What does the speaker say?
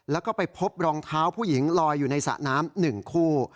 แล้วก็ไปพบรองเท้าผู้หญิงลอยอยู่ในสระน้ำ๑คู่